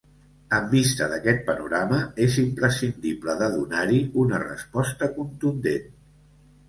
En vista d’aquest panorama, és imprescindible de donar-hi una resposta contundent.